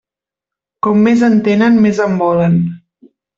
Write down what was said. Com més en tenen, més en volen.